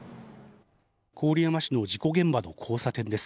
郡山市の事故現場の交差点です。